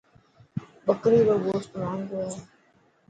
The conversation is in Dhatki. ٻڪري رو گوشت ماهنگو هي.